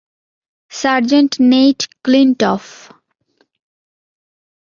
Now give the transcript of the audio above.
Sergeant Nate ক্লিনটফ।